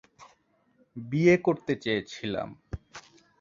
বিয়ে করতে চেয়েছিলাম।